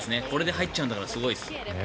これで入っちゃうんだからすごいです。